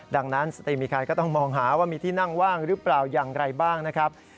ดังนั้นสตรีมีใครก็ต้องมองหาว่ามีที่นั่งว่างหรือเปล่าอย่างไรบ้างนะครับ